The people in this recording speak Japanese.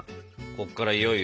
こっからいよいよ。